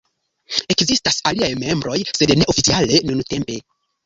Ekzistas aliaj membroj, sed ne oficiale nuntempe.